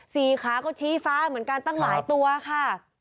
สี่ขาก็ชี้ฟ้าเหมือนกันตั้งหลายตัวค่ะ